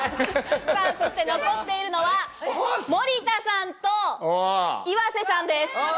残っているのは森田さんと岩瀬さんです。